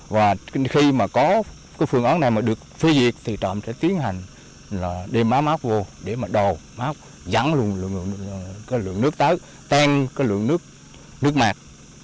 và khi mà có phương án này mà được phê diệt thì trọng sẽ tiến hành đem má máu vô để mà đò máu dắn lượng nước tới tan lượng nước mạc